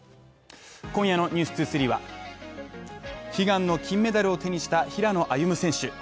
今夜の「ｎｅｗｓ２３」は悲願の金メダルを手にした平野歩夢選手。